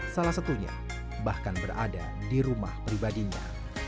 salah satunya bahkan berada di rumah pribadinya